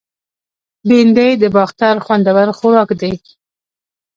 بېنډۍ د باختر خوندور خوراک دی